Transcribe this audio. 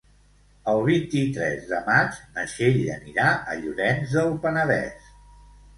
El vint-i-tres de maig na Txell anirà a Llorenç del Penedès.